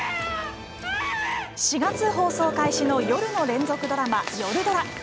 ４月放送開始の夜の連続ドラマ「夜ドラ」。